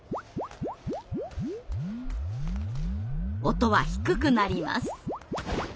音は低くなります。